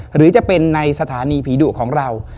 หรือจะเป็นในสถานีผีดุของเรา